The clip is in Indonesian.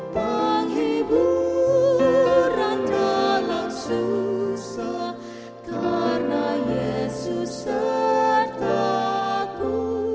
penghiburan dalam susah karena yesus sertaku